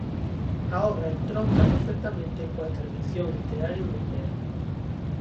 A obra entronca perfectamente coa tradición literaria europea.